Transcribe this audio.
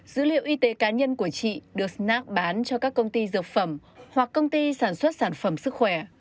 dữ liệu y tế cá nhân của chị được snack bán cho các công ty dược phẩm hoặc công ty sản xuất sản phẩm sức khỏe